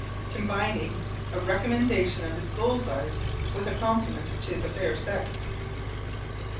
combining a recommendation of his bulls' eyes with a compliment to the fair sex.